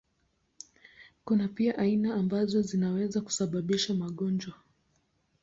Kuna pia aina ambazo zinaweza kusababisha magonjwa.